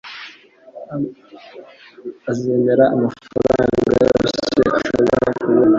Azemera amafaranga yose ashobora kubona